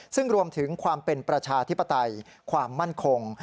ซึ่งรวมถึงความเป็นประชาธิปไตยความมั่นคง